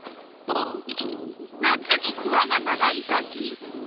夏にクワガタがいた木。